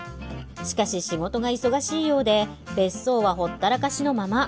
しかし仕事が忙しいようで別荘はほったらかしのまま。